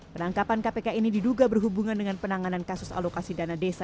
penangkapan kpk ini diduga berhubungan dengan penanganan kasus alokasi dana desa